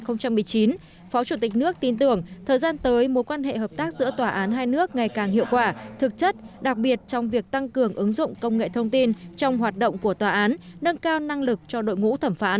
phó chủ tịch nước tin tưởng thời gian tới mối quan hệ hợp tác giữa tòa án hai nước ngày càng hiệu quả thực chất đặc biệt trong việc tăng cường ứng dụng công nghệ thông tin trong hoạt động của tòa án nâng cao năng lực cho đội ngũ thẩm phán